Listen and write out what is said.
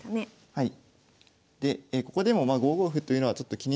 はい。